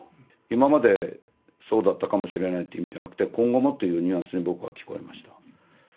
今までそうだったかもしれないって意味じゃなくて、今後もというニュアンスに、僕は聞こえました。